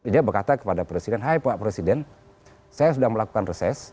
dia berkata kepada presiden hai pak presiden saya sudah melakukan reses